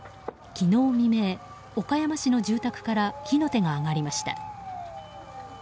昨日未明、岡山市の住宅から火の手が上がりました。